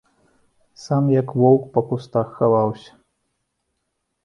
Сам, як воўк, па кустах хаваўся.